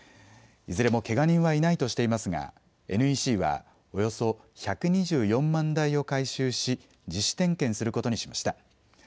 いずれもけが人はいないとしていますがＮＥＣはおよそ１２４万台を回収し自主点検することにしました。